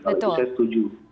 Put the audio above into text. itu saya setuju